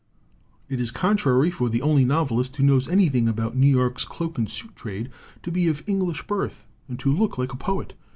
It is contrary for the only novelist who knows anything about New York's cloak and suit trade to be of English birth and to look like a poet.